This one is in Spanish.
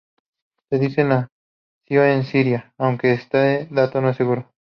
Se dice nacido en Siria, aunque este dato no es seguro.